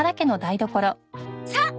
さあ！